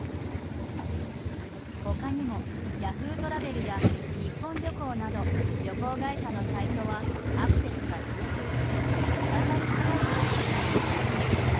他にもＹａｈｏｏ！トラベルや日本旅行など旅行会社のサイトはアクセスが集中してつながりづらい状態に。